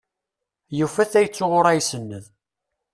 Yufa tayet uɣur isenned.